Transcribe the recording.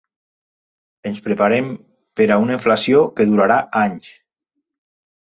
Ens preparem per a una inflació que durarà anys.